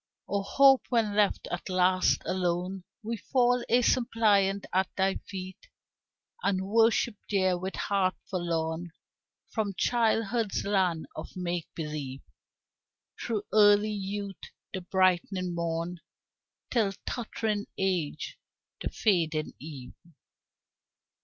O Hope, when left at last alone We fall a suppliant at thy feet And worship there, with heart forlorn From childhood's land of make believe, Through early youth, the brightening morn, Till tottering age, the fading eve.